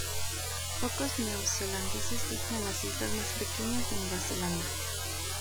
Pocos neozelandeses viven en las islas más pequeñas de Nueva Zelanda.